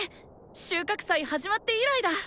収穫祭始まって以来だ！